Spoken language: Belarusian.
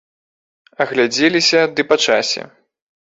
Агледзеліся, ды па часе.